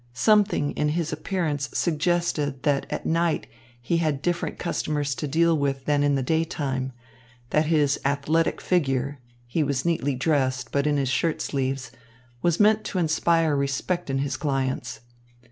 Something in his appearance suggested that at night he had different customers to deal with than in the daytime, that his athletic figure he was neatly dressed, but in his shirt sleeves was meant to inspire respect in his clients.